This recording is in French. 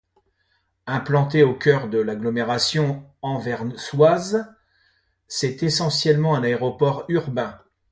Implanté au cœur de l'agglomération anversoise, c'est essentiellement un aéroport urbain.